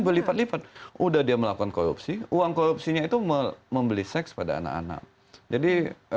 berlipat lipat udah dia melakukan korupsi uang korupsinya itu membeli seks pada anak anak jadi